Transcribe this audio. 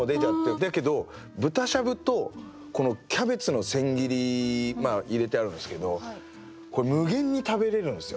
だけど豚しゃぶとキャベツの千切り入れてあるんですけどこれ無限に食べれるんですよ。